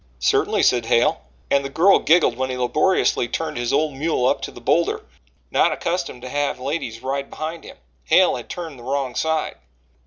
"Certainly," said Hale, and the girl giggled when he laboriously turned his old mule up to the boulder. Not accustomed to have ladies ride behind him, Hale had turned the wrong side.